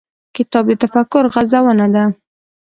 کتاب د تفکر غزونه ده.